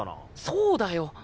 そうだよ。